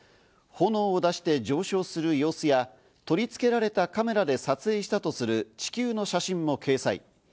炎を出して上昇する様子や取り付けられたカメラで撮影したとする地球の写真を掲載。